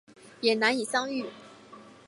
也难以相遇